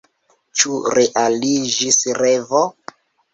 Ĉu realiĝis revo?